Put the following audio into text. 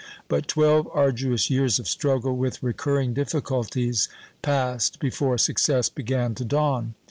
But twelve arduous years of struggle with recurring difficulties passed before success began to dawn.